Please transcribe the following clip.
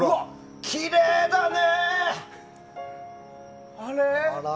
きれいだね！